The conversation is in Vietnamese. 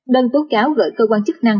đơn tốt cáo gửi cơ quan chức năng